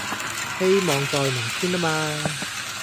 希望在明天吖嘛